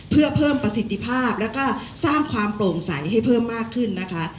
เพื่อเพิ่มประสิทธิภาพแล้วก็สร้างความโปร่งใสให้เพิ่มมากขึ้นนะคะ